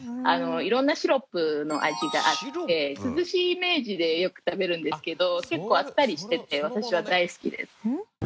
色んなシロップの味があって涼しいイメージでよく食べるんですけど結構あっさりしてて私は大好きです。